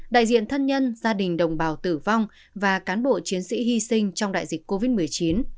đại diện thân nhân gia đình đồng bào tử vong và cán bộ chiến sĩ hy sinh trong đại dịch covid một mươi chín